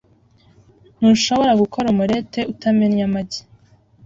Ntushobora gukora omelet utamennye amagi .